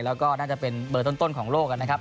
แล้วก็น่าจะเป็นเบอร์ต้นของโลกนะครับ